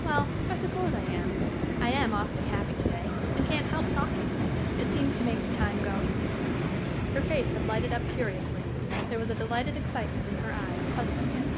Well, I suppose I am. I am awfully happy to day, and can't help talking. It seems to make the time go." Her face had lighted up curiously. There was a delighted excitement in her eyes, puzzling him.